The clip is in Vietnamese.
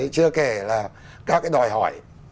chưa kể là các cái đòi hỏi